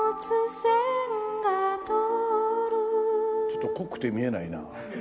ちょっと濃くて見えないな。